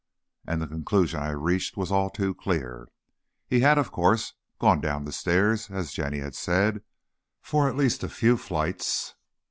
And the conclusion I reached was all too clear. He had, of course, gone down the stairs, as Jenny had said, for at least a few flights.